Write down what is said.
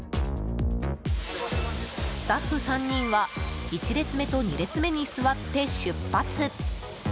スタッフ３人は１列目と２列目に座って出発。